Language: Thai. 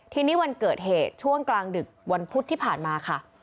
ทีนี้วันเกิดเหตุช่วงกลางดึกวันพุธที่ผ่านมาค่ะ